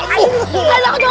aduh aduh aduh